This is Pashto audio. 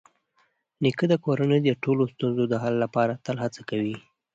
نیکه د کورنۍ د ټولو ستونزو د حل لپاره تل هڅه کوي.